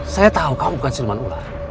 saya tahu kamu bukan sulman ular